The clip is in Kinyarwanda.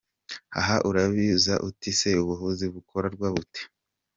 Aha uribaza uti ese ubu buvuzi bukorwa bute?.